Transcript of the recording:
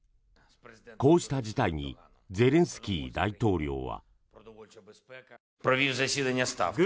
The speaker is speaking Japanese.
こうした事態にゼレンスキー大統領は。